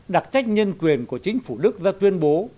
đặc trách nhân quyền của chính phủ đức ra tuyên bố